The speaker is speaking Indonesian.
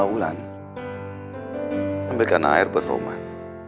ulan ambilkan air buat roman